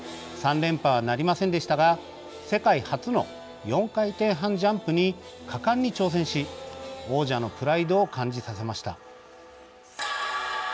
３連覇はなりませんでしたが世界初の４回転半ジャンプに果敢に挑戦し王者のプライドを感じさせました。